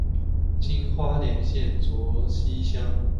今花莲县卓溪乡。